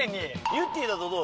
ゆってぃだとどう？